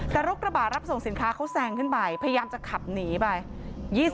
แต่รถกระบะรับส่งสินค้าเขาแซงขึ้นไปพยายามจะขับหนีไป